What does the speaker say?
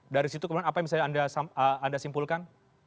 dari situ kemudian apa yang bisa anda simpulkan